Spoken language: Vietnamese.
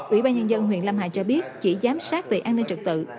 ủy ban nhân dân huyện lâm hà cho biết chỉ giám sát về an ninh trật tự